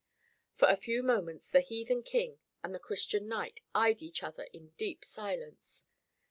For a few moments the heathen King and the Christian knight eyed each other in deep silence.